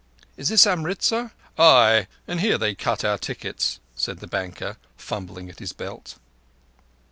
Is this Amritzar?" "Ay, and here they cut our tickets," said the banker, fumbling at his belt.